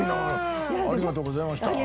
ありがとうございます。